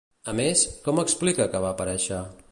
A més, com explica que va aparèixer?